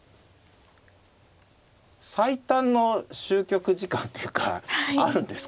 最短の終局時間っていうかあるんですかね。